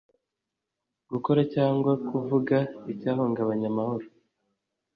gukora cyangwa kuvuga icyahungabanya amahoro